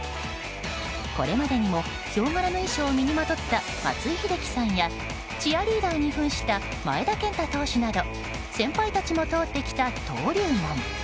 これまでにもヒョウ柄の衣装を身にまとった松井秀喜さんや、チアリーダーに扮した前田健太投手など先輩たちも通ってきた登竜門。